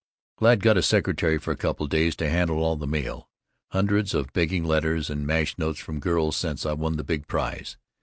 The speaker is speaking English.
Glad got a secretary for a couple days to handle all this mail. Hundreds of begging letters and mash notes from girls since I won the big prize.